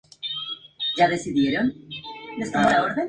Refleja el grado al que una sociedad acepta la incertidumbre y los riesgos.